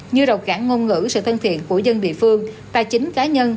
như rầu cảng ngôn ngữ sự thân thiện của dân địa phương tài chính cá nhân